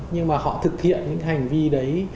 nhưng mà họ thực hiện những hành vi đấy